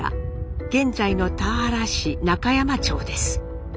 現在の田原市中山町です。